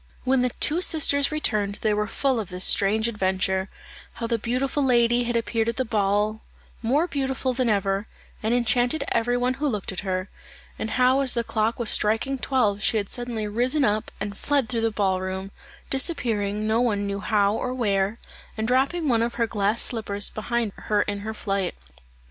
When the two sisters returned they were full of this strange adventure, how the beautiful lady had appeared at the ball more beautiful than ever, and enchanted every one who looked at her; and how as the clock was striking twelve she had suddenly risen up and fled through the ball room, disappearing no one knew how or where, and dropping one of her glass slippers behind her in her flight.